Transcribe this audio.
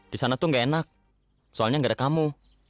di sana tuh gak enak soalnya nggak ada kamu